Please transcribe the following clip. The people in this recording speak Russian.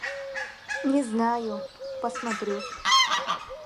Не знаю... посмотрю.